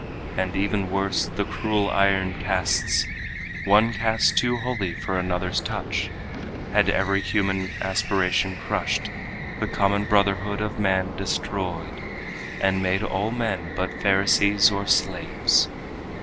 And, even worse, the cruel iron castes, One caste too holy for another's touch, Had every human aspiration crushed, The common brotherhood of man destroyed, And made all men but Pharisees or slaves.